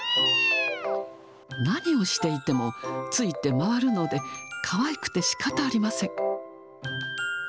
何をしていても、ついて回るので、かわいくてしかたありません。